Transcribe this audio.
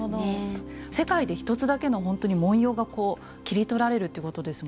世界で一つだけのほんとに文様がこう切り取られるということですもんね。